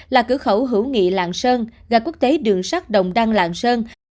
là cửa khẩu hữu nghị lạng sơn gà quốc tế đường sắt đồng đăng lạng sơn